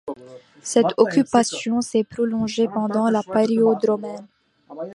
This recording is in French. Cette occupation s’est prolongée pendant la période romaine.